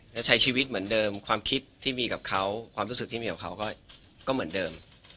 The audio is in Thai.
แล้วใช้ชีวิตเหมือนเดิมความคิดที่มีกับเขาความรู้สึกที่มีกับเขาก็เหมือนเดิม